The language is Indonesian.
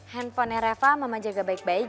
handphonenya reva mama jaga baik baik